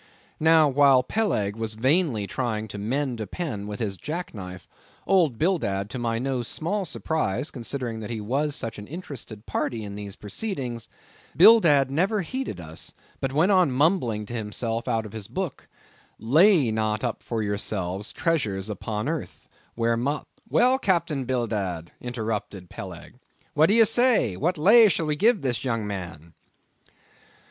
Now while Peleg was vainly trying to mend a pen with his jack knife, old Bildad, to my no small surprise, considering that he was such an interested party in these proceedings; Bildad never heeded us, but went on mumbling to himself out of his book, "Lay not up for yourselves treasures upon earth, where moth—" "Well, Captain Bildad," interrupted Peleg, "what d'ye say, what lay shall we give this young man?"